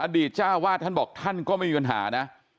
ต้าวาดท่านบอกท่านก็ไม่มีปัญหานะ